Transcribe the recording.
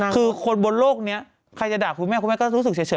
คือคนบนโลกนี้ใครจะด่าคุณแม่คุณแม่ก็รู้สึกเฉย